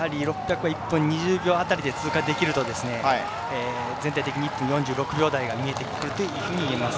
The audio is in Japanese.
１分２０秒台で通過できると全体的に１分４６秒台が見えてくると思います。